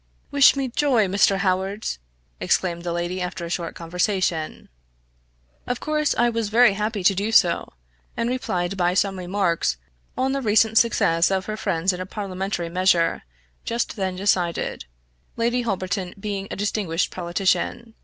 "Wish me joy, Mr. Howard!" exclaimed the lady after a short conversation. Of course I was very happy to do so, and replied by some remarks on the recent success of her friends in a parliamentary measure, just then decided Lady Holberton being a distinguished politician.